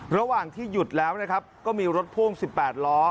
ระหว่างที่หยุดแล้วนะครับก็มีรถพ่วง๑๘ล้อ